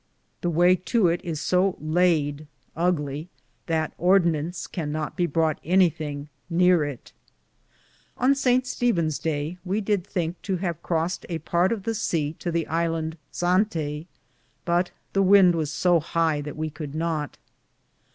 The waye to it is so lade^ that ordenance cannot be broughte anythinge near it. On St. Stevn's Day we did thinke to have croste a parte of the sea to the iland Zante, but the wynde was so hie that we could not.